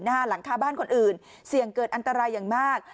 หลังคาบ้านคนอื่นเสี่ยงเกิดอันตรายอย่างมาก